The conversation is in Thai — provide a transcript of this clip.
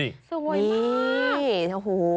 สวยมาก